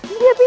ini dia pisan